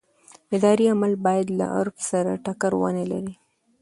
اداري عمل باید له عرف سره ټکر ونه لري.